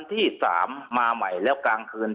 ทีนี้วันอาทิตย์หยุดแล้วก็วันจันทร์ก็หยุด